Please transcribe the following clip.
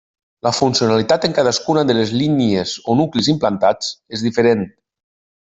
La funcionalitat en cadascuna de les línies o nuclis implantats és diferent.